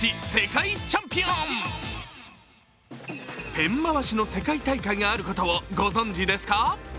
ペン回しの世界大会があることをご存じですか？